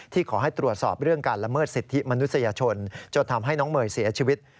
ขอให้ตรวจสอบเรื่องการละเมิดสิทธิมนุษยชนจนทำให้น้องเมย์เสียชีวิต